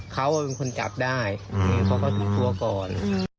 เขาเป็นคนกำจับได้เขาก็จุดพู่สัยก่อน